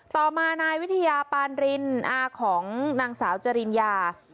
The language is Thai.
ต่อมานายวิทยาปานรินอาของนางสาวจริญญา